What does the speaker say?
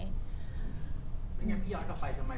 ไม่งั้นพี่ย้อนเข้าไปทำไม